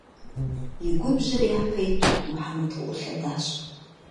И губжьыр япэ иту Мухьэмэд къыӏулъэдащ.